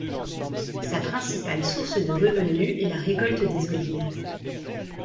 Sa principale source de revenus est la récolte des olives.